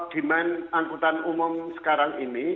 demand angkutan umum sekarang ini